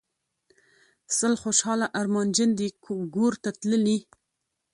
سل خوشحاله ارمانجن دي ګورته تللي